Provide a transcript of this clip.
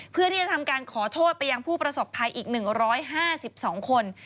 เพื่อที่จะทำการขอโทษไปยังผู้ประสบภัยอีก๑๕๒คน